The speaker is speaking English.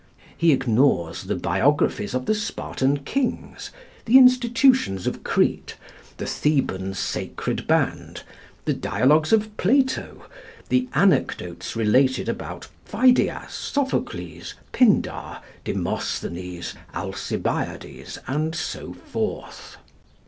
He ignores the biographies of the Spartan kings, the institutions of Crete, the Theban Sacred Band, the dialogues of Plato, the anecdotes related about Pheidias, Sophocles, Pindar, Demosthenes, Alcibiades, and so forth.